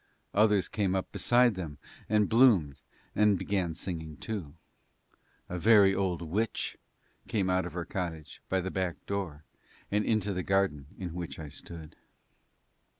Others came up beside them and bloomed and began singing too. A very old witch came out of her cottage by the back door and into the garden in which I stood.